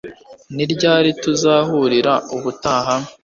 Ni ryari tuzahurira ubutaha